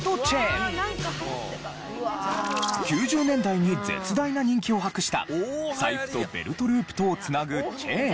９０年代に絶大な人気を博した財布とベルトループとを繋ぐチェーン。